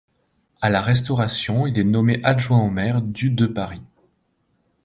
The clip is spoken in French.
À la Restauration, il est nommé adjoint au maire du de Paris.